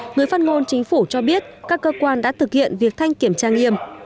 người phát ngôn chính phủ cho biết các cơ quan đã thực hiện việc thanh kiểm tra nghiêm